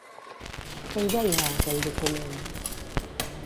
Què hi deia a aquell document?